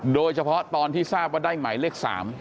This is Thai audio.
โดยเฉพาะตอนที่ทราบว่าได้หมายเลข๓